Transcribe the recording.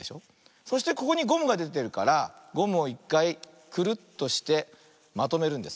そしてここにゴムがでてるからゴムをいっかいクルッとしてまとめるんです。